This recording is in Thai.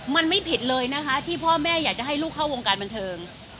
มันไม่ผิดเลยนะคะที่พ่อแม่อยากจะให้ลูกเข้าวงการบันเทิง